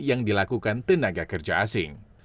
yang dilakukan tenaga kerja asing